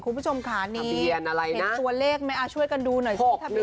คุณผู้ชมค่ะนี่เห็นตัวเลขไหมช่วยกันดูหน่อยสิ